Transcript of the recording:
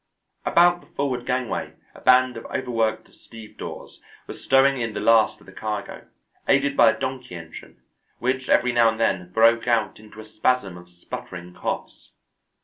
About the forward gangway a band of overworked stevedores were stowing in the last of the cargo, aided by a donkey engine, which every now and then broke out into a spasm of sputtering coughs.